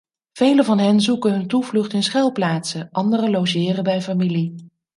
Velen van hen zoeken hun toevlucht in schuilplaatsen, anderen logeren bij familie.